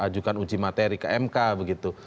dan juga uji materi ke mk begitu